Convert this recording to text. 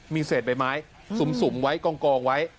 มีเศษใบไม้สุ่มไว้กองไว้